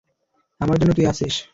আমার জন্য তুই আছিস।